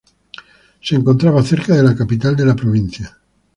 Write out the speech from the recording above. Se encontraba cerca de la capital de la provincia.